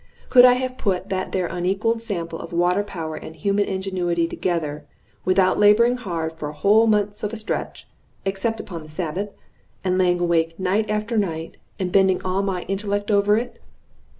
Could I have put that there unekaled sample of water power and human ingenuity together without laboring hard for whole months of a stretch, except upon the Sabbath, and laying awake night after night, and bending all my intellect over it?